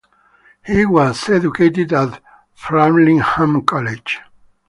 He was educated at Framlingham College.